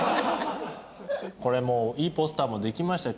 これもういいポスターもできました。